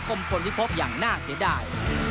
กลางนาศิษย์ได้